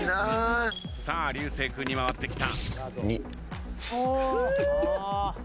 流星君に回ってきた。